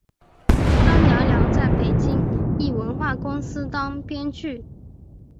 张寥寥在北京一文化公司当编剧。